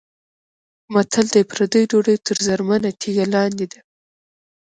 متل دی: پردۍ ډوډۍ تر زرمنه تیږه لاندې ده.